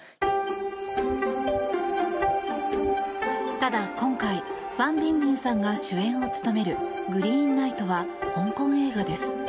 ただ今回ファン・ビンビンさんが主演を務める「グリーン・ナイト」は香港映画です。